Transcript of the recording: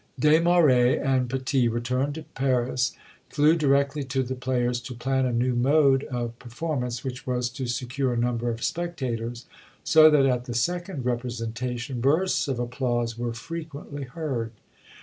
Desmaret and Petit returned to Paris, flew directly to the players to plan a new mode of performance, which was to secure a number of spectators; so that at the second representation bursts of applause were frequently heard!